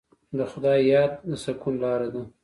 د خدای یاد د سکون لاره ده.